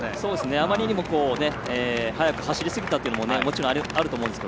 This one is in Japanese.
あまりにも速く走りすぎたのももちろんあると思うんですが。